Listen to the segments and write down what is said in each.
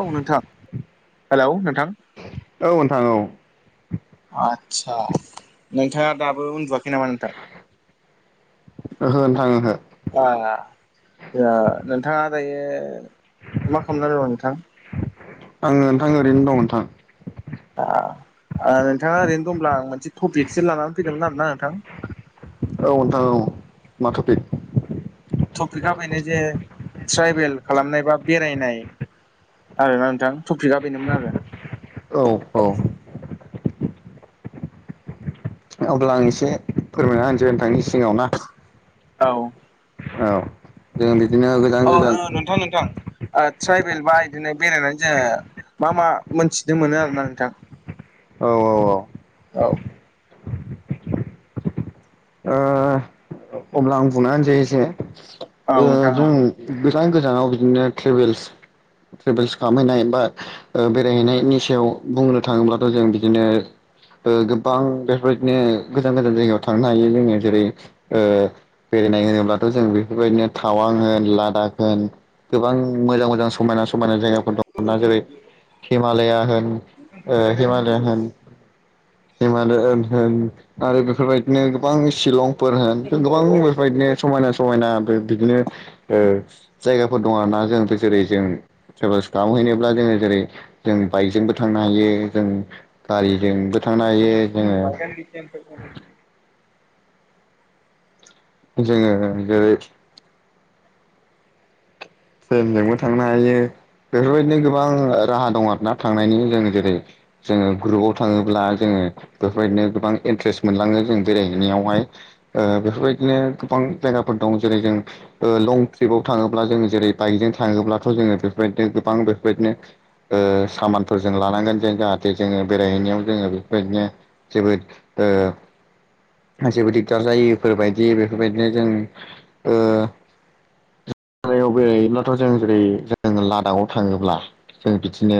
औ नोंथां हेल' नोंथां औ नोंथां औ आदसा नोंथाङा दाबो उन्दुवाखै नामा नोंथां ओहो नोंथां ओहो नोंथाङा दायो मा खालामनानै दङ नोंथां आङो नोंथां ओरैनो दं नोंथां नोंथाङा ओरैनो दंब्ला आं मोनसे टपिकसो लानानै फैदोंमोन आरोना नोंथां औ नोंथां औ मा थपिक टपिका बेनो जे ट्राइभेल खालामनाय बा बेरायनाय आरोना नोंथां टपिका बेनोमोन आरो औ - औ अब्ला आं एसे फोरमायना होनसै नोंथांनि सिगाङाव ना औ औ जों बिदि अ नोंथां नोंथां ट्राइबेल बा बिदिनो बेरायनानै जोङो मा मा मोनथिनो मोनो आरोना नोंथां औ -औ -औ औ अब्ला आं बुंनानै जायो जे औ नोंथां जों गोजान गोजानाव बिदिनो ट्रेभेल्स ट्रेभेल्स खालामहैनाय बा बेरायहैनायनि सायाव बुंनो थाङोब्लाथ' जों बिदिनो गोबां बेफोरबायदिनो गोजान- गोजान जायगायाव थांनो हायो जोङो जेरै बेरायनाय होनोब्लाथ' जों बेफोरबायदिनो थावां होन लादाख होन गोबां मोजां- मोजां समायना -समायना जायगा दा जेरै हिमालया होन हिमालयान होन हिमालयान होन आरो बेफोरबायदिनो गोबां शिलंफोर होन गोबां बेफोर बिदिनो समायना- समायना बे बिदिनो जायगाफोर दं आरोना जों जेरै जों ट्रेभेलस खालाम हैनोब्ला जोङो जेरै जों बाइकजोंबो थांनो हायो जों गारिजोंबो थांनो हायो जोङो औ जोङो ट्रेनजोंबो थांनो हायो बेफोरबायदिनो गोबां राहा दं आरोना थांनायनि जों जेरै जोङो ग्रुपआव थाङोब्ला जोङो। बेफोरबायदिनो गोबां इन्ट्रेस्ट मोनलाङो जों बेरायहैनायावहाय ओ बेफोरबायदिनो गोबां जायगाफोर दं जेरै जों ओ लं ट्रिपाव थाङोब्ला जों जेरै बाइकजों थाङोब्लाथ' जोङो बेफोरबायदिनो गोबां बेफोरबायदिनो ओ सामानफोरजों लानांगोन जों जाहाथे जोङो बेरायहैनायाव जोङो बेफोरबायदिनो जोबोद ओ जेबो दिगदार जायिफोरबायदि बेफोरबायदिनो जों ओ याव बेराइहैयोब्लाथ' जों जेरै जों लादाखाव थाङोब्ला जों बिदिनो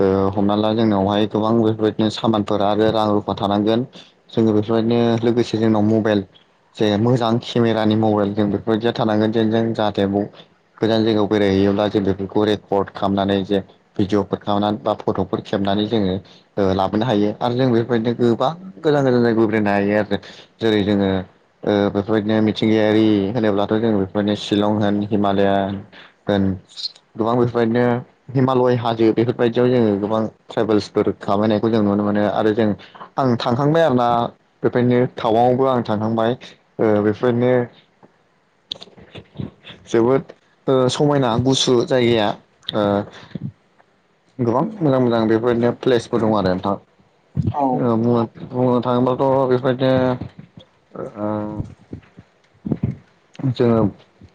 ओ हमना ला जोंनावहाय गोबां बेफोरबायदिनो सामानफोर आरो रां रुफा थानांगोन जोङो बेफोरबाय नो लोगोसे जोंनाव मबेल जे मोजां खेमेरानि मबाइल जों बेफोरबायदिया थानांगोन जेन जों जाहाथे ब गोजान जायगायाव बेरायहैयोब्ला जों बेफोरखौ रेकर्ड खालामनानै जे भिडिअफोर खालामनानै बा फट'फोर खेब नानै जोङो ओ लाबोनो हायो आरो जों बेफोरबायदिनो गोबां गोजान गोजान जायबो बेरायनो हायो आरो द जेरै जोङो ओ बेफोरबायदिनो मिथिंगायारि होनोब्लाथ' जों बेफोरबायदिनो शिलं होन हिमा दा गोन गोबां बेफोरबायदिनो हिमालय हाजो बेफोरबायदियाव जोङो गोबां ट्रेभेल्सफोर खामायनायखौ जों नुनो मोनो आरो जों आं थांखांबाय आरोना बेबायदिनो थाव आवबो आं थांखांबाय ओ बेफोरनो जोबोद ओ समायना गुसु जायगाया ओ गोबां मोजां मोजां बेफोरबादिनो प्लेसफोर दं आरो औ नोंथां ओम बुंनो थाङोबाथ' बेफोरबायदिनो ओ [inaudible] जोङो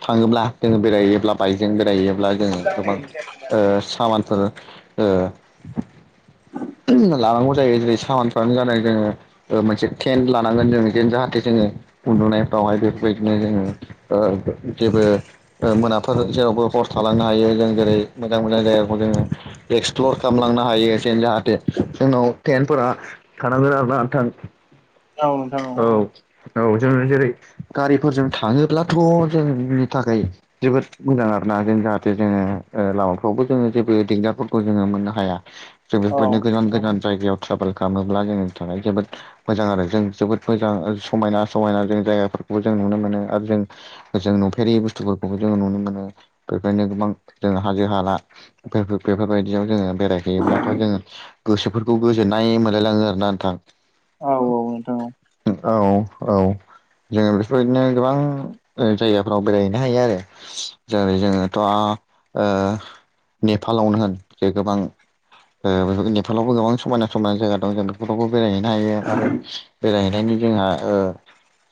थाङोब्ला जोङो बेरायहैयोब्ला बाइकजों बेरायहैयोब्ला औ जोङो नोंथां गोबां ओ सामानफोर ओ [inaudible] लानांगौ जायो जेरै सामानफ्रानो जानाय जोङो ओ मोनसे टेन्ड लानांगोन जों इदिनो जाहाथे जोङो उन्दुनायफ्रावहाय बेफोरबायदिनो जोङो ओ जेबो ओ मोनाफोर जेरावबो हर थालांनो हायो जों जेरै मोजां मोजां जायगाखौ जोङो एक्सप्लर खालामलांनो हायो जेन जाहाथे जोंनाव टेन्टफोरा थानांगोन आरोना नोंथां। औ। औ जोङो जेरै गारिफोरजों थाङोब्लाथ' जोंनि थाखाय जोबोद मोजां आरो ना। जों जाहाथे जोङो ओ लामाफ्रावबो जोङो जेबो दिगदार फोरखौ जोङो मोननो हाया जों औ बेफोरनि गोजान गोजान जायगायाव ट्राभोल खालामोब्ला जोंनि थाखाय जोबोद मोजां आरो जों जोबोद मोजां समायना समायना जों जायगाफोर बो जों नुनो मोनो आरो जों जों नुफेरि बुस्थुफोरखौबो जों नुनो मोनो बेबायनो गोबां जों हाजो हाला फोरखो बेफोरबायदियाव जोङो बेरायहैयोब्लाथाय' जोङो गोसोफोरखौ गोजोननाय मोनलायलाङो आरोना नोंथां। औ औ नोंथां औ। औ औ। जोङो बेफोरबायदिनो गोबां ओ जायगाफ्राव बेरायहैनो हायो आरो जेरै जोङोथ' ओ नेपालावनो जे गोबां ओ नेपालावबो गोबां समायना समायना जायगा दं जों बेफोरावबो बेरायहैनो हायो आरो बेरायहनायनि जोंहा ओ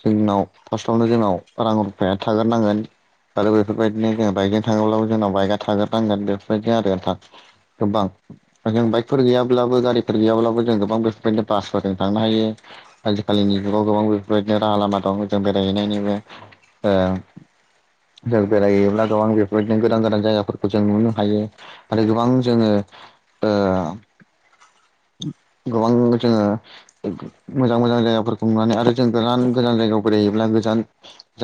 जोंनाव फार्स्टआवनो जोंनाव रां रुफाया थाग्रोनांगोन। आरो बेफोरबायदिनो जों बाइकजों थाङोब्लाबो जोंनाव बाइकआ थागोरनांगोन बेफोरबायदि आरो नोंथां। गोबां जों बाइकफोर गैयाब्लाबो गारिफोर गैयाब्लाबो जों गोबां बेफोरदिनो बासफोरजों थांनो हायो। आजिखालिनि जुगाव गोबां बेफोरबायदिनो राहा लामा दं जों बेरायहैनायनिबो। ओ जों बेरायहैब्ला गोबां बेफोरबायदिनो गोदान गोदान जायगाफोरखौ जों नुनो हायो आरो गोबां जोङो ओ [inaudible] गोबां जोङो मोजां मोजां जायगाफोरखौ नुनानै आरो जों गोजान गोजान जायगायाव बेराइ बेयोब्ला गोजान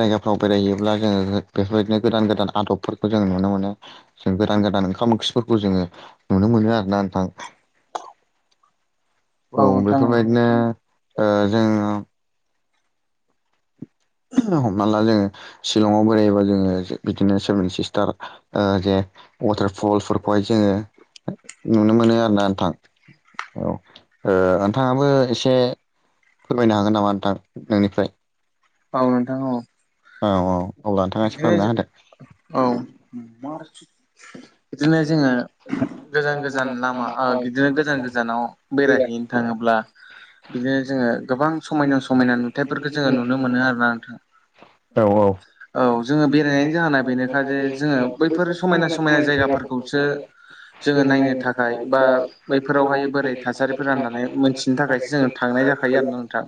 जायगाफ्राव बेरायहैयोब्ला जोङो बेफोरबायदिनो गोदान गोदान आदबफोरखौ जों नुनो मोनो। जों गोदान गोदान ओंखाम ओंख्रिफोरखौ जोङो नुनो मोनो आरोना नोंथां। औ बेफोरबायदिनो ओ जोङो [inaudible] हमना ला जोङो शिलंआव बेरायोबा जोङो बिदिनो सेभेन सिस्टार ओ जे वाटारफलफोरखौ हाय जोङो नुनो मोनो आरो ना नोंथां। औ ओ नोंथाङाबो एसे फोरमायनो हागोन नामा नोंथां नोंनिफ्राय? औ नोंथां औ औ औ अब्ला नोंथाङासि फोरमायना होदो। मार्च बिदिनो जोङो गोजान गोजान लामा ओ बिदिनो गोजान गोजानाव बेरायहैनो थाङोब ब्ला बिदिनो जोङो गोबां समायना समायना नुथथायफोरखौ जोङो नुनो मोनो आरोना नोंथां। औ औ जोङो बेरायनायनि जाहोना बेनोखा जे जोङो बैफोर समायना समायना जाय जायगाफोरखौसो जोङो नायनो थाखाय बा बैफोरावहाय बोरै थासारिफोरा राननानै मोनथिनो थाखायसो जोङो थां नाय जाखायो आरो ना नोंथां।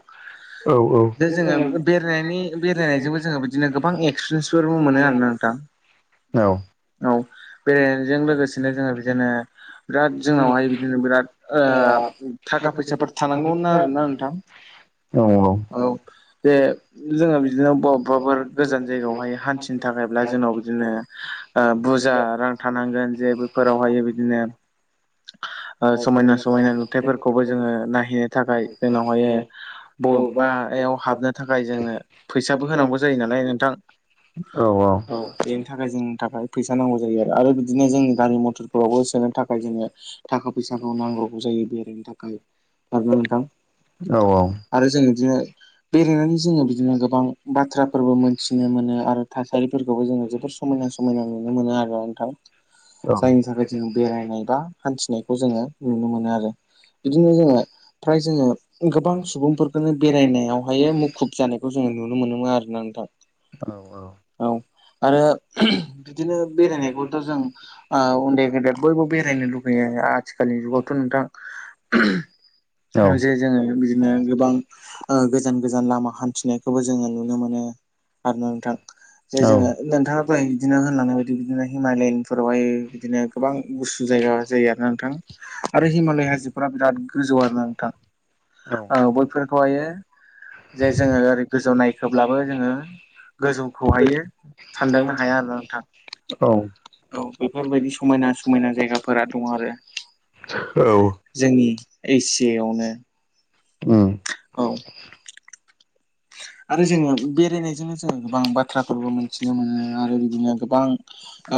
औ औ दा जोङो बेरायनायनि बेरायनायजोंबो जोङो बिदिनो गोबां एक्सपिरियेन्सफोरबो मोनो आरोना नोंथां [inaudible] औ। जों लोगोसेनो जोंङो बिदिनो बिराद जोंनावहाय बिदिनो बिरा ओ थाखा फैसा थानांगौमोन आरोना नोंथां। औ औ औ बेे जोङो बिदिनो अबबा अबबाफोर गोजान जायगायावहाय हान्थिनो थाखायब्ला जोंनाव बिदिनो ओ बुरजा रां'था जे बोफोरावहाय बिदिनो ओ समायना समायना नुथायफोरखौबो जोङो नायहैनो थाखाय जोंनावहायो बबाया हाबनो थाखाय जोंनो फैसाबो होनांगौ जायो नालाय नोंथां। औ बेनि थाखाय जोंनि थाखाय फैसा नांगौ जायो आरो बिदिनो जों गारि मथरफोरावबो सोनो थाखाय जोङनो थाखा फैसाखौ नांग्रौ जायो बेरायनो थाखाय आरो नोंथां औ औ। आरो जों बिदिनो बेरायनानै जोङो बिदिनो गोबां बाथ्राफोरबो मोनथिनो मोनो आरो थास रिफोरखौबो जोङो जोबोर समायना समायना नुनो मोनो आरो नोंथां जायनि थाखाय जोङ बेरायनाय बा हान्थिनायखौ जोङो नुनो मोनो आरो। बिदिनो जोङो फ्राय जोङो गोबां सुबुंफोरखौनो बेरायनायावहायो मुखुब जानायखौ जोङो नुनो मोनोमोन आरोना नोंथां औ औ। [unintelligible] [unintelligible] बिदिनो बेरायनायखौ जों आ उन्दै गेदेर बयबो बेरायनो लुुबैयो आथिखालनि जुगावथ' नोंथां। [inaudible] ओ जे जोङो बिदिनो गोबां ओ गोजान गोजान लामा हान्थिनायखौबो जोङो नुनो मोनो आरो नोंथां जे जोङो नोंथाङा दहाय बिदिनो होनलांनाय बायदि बिदिनो हिमालय फोरावहाय बिदिनो गोबां गुसु जायगा जायो आरो नोंथां। आरो हिमालय हाजोफोरा बिराद गोजौ आरोना नोंथां ओ बयफोरथ'हायो जे जोङो ओरै गोजौ नायखोब्लाबो जोङो गोजौखौहायो सानदांनो हा हाया आरो नोंथां। औ बेफोरबायदि समायना समायना जायगाफोरा दङ आरो जोंनि एसियावनो औ आरो जोङो बेरायनायजोंनो जोङो बां बाथ्राफोरबो मिथिनो मोनो आरो बिदिनो गोबां ओ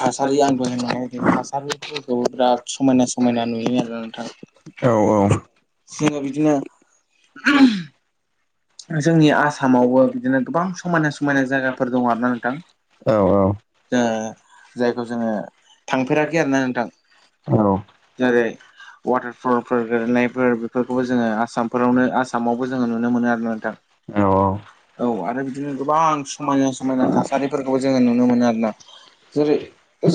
थासारि आं दहाय होनलांनाय बादि थासारिफोरखौ बिराद समायना समायना नुयो आरो ना नोंथां। औ औ। जोङो बिदिनो जोंनि आसामावबो बिदिनो गोबां समायना समायना जायगाफोर दं आरो ना नोंथां। औ ओ जायखौ जोङो थांफेराखै आरोना नोंथां। औ जेरै वाटारफलफोर गेलेनायफोर बेफोरखौबो जोङो आसामफोरावनो आसामावबो जोङो नुनो मोनो आरो। नोंथां औ औ आरो बिदिनो गोबां समायना समायना थासारिफोरखौ जोङो नुनो मोनो आरो ना। जेरै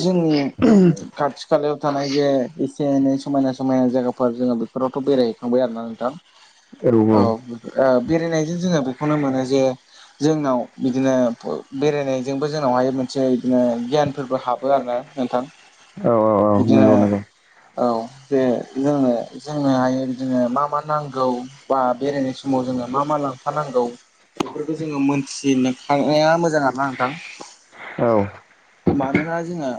जोंनि खाथि खालायाव थानाय जे एसे एनै समायना समायना जायगाफोर जों बेफोरावथ' बेरायहैखांबाय आरोना नोंथां औ ओ बेरायनायजों जोङो बेखौनो मोनो जे जोंनाव बिदिनो बेरायनायजोंबो जोंनावहाय मोन से बिदिनो गियानफोरबो हाबो आरोना नोंथां। औ औ बिदिनो नंगौ नंगौ औ जे जोंनो जोंनो हायो जोङो मा मा नांगौ बा बेरायनाय समाव जोङो मा मा लांफानांगौ बेफोरखौ जोङो मोनथि नो खानाया मोजां आरो ना नोंथां। औ। मानोना जोङो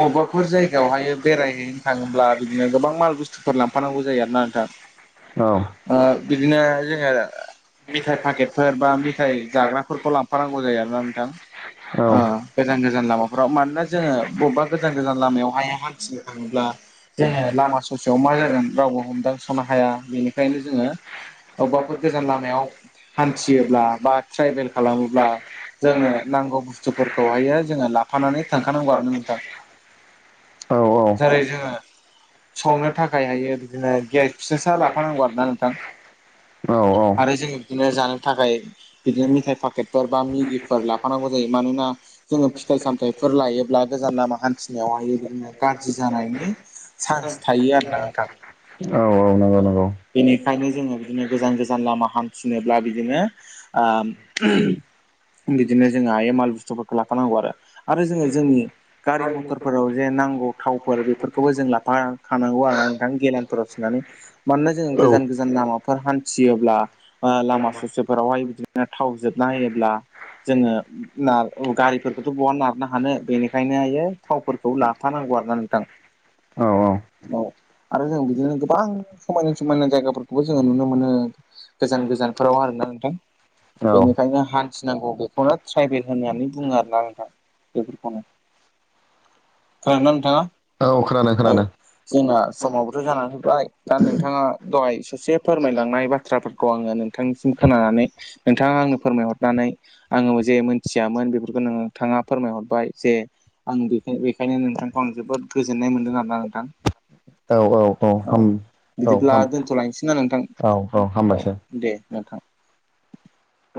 बबेबाफोर जायगायावहाय बेरायहैनो थाङोब्ला बिदिनो गोबां माल बुस्थुफोर लांफानांगौ जायो आरोना नोंथां। ओ बिदिनो जोङो मिथाइ पाकेटफोर बा मिथाइ जाग्राफोरखौ लांफानांगौ जायो आरोना नोंथां ओ गोजान गोजान लामाफोराव मानोना जोङो बबेबा गोजान गोजान लामायावहाय हान्थिनो थाङोब्ला जे लामा ससेयाव मा जागोन रावबो हमदांसनो हाया बेनिखायनो जोङो अबेबा फोर लामायाव हान्थियोब्ला बा ट्राइभेल खालामोब्ला जोंनो नांगौ बुस्थुफोरखौ बाहायो जोङो लाफानानै थांखानांगौ आरो ना नोंथां औ औ नंगौ औ जेरै जोङो संनो थाखाय हायो बिदिनो गेस फिसासा लाफानांगौ आरो ना नोंथां। औ औ आरो जों बिदिनो जानो थाखाय बिदिनो मिथाइ पाकेटफोर बा मेगिफोर लाफानांगौ जायो मानोना जोङो फिथाइ सामथायाइफोर लायोब्ला गोजान लामा हान्थिनायाव हायो जोङो गाज्रि जानायनि चान्स थायो आरो ना नोंथां बेनिखायनो जोङो बिदिनो गोजान गोजान लामा हान्थिनोब्ला बिदिनो ओ बिदिनो जों हायो माल बुस्थुफोरखौ लाफानांगौ आरो आरो जोङो जोंनि गारि मथरफोराव जेन नांगौ थाव फोर बेफोरखौबो जों लाफा खानांगौ आरो ना नोंथां गेलानफोराव सोनानै मानोना जोङो गोजान गोजान लामाफोर हान्थियोब्ला ओ लामा ससेफोरावहाय बिदिनो थाव जोबना होयोब्ला जोङो नार गारिफोरखौथ' बहा नारनो हानो बेनिखायनो जे थावफोरखौ लाफानांगौ आरो ना नोंथां। औ औ आरो जों बिदिनो गोबां समायना समायना जायगाफोरखौबो जों जोङो नुनो मोनो गोजान गोजान फोराव आरो ना नोंथां। औ बेनिखायनो हान्थिनांगौ बेखौनो ट्रायभेल होननानै बुङो आरोना नोंथां। खोनादों ना नोंथाङा औ खोनादों औ। खोनादों जोंना समावबोथ' जानानै फैबाय दा नोंथाङा दहाय ससे फोरमायलांनाय बाथ्राफोरखौ आङो नोंथांनिसिम खोनानानै नोंथाङा आंनो फोरमायहरना नै आङो जे मोनथियामोन बेफोरखौ नोंथाङा फोरमायहरबाय जे आं बेखाय बेखायनो नोंथांखौ आं जोबोद गोजोननाय मोनदों आरो ना नोंथां। औ औ औ ओम औ बिदिब्ला औ। दोनथ'लायनोसै ना नोंथां औ दे नोंथां।